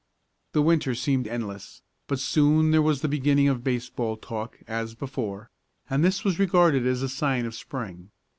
The Winter seemed endless, but soon there was the beginning of baseball talk, as before, and this was regarded as a sign of Spring.